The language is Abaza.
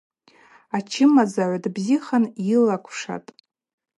Ачымазагӏв дбзихан йлыквшатӏ.